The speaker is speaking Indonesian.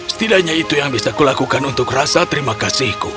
setidaknya itu yang bisa kulakukan untuk rasa terima kasihku